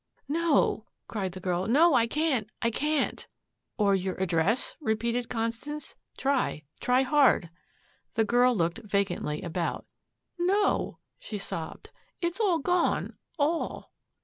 "No," cried the girl, "no, I can't, I can't." "Or your address?" repeated Constance. "Try try hard!" The girl looked vacantly about. "No," she sobbed, "it's all gone all."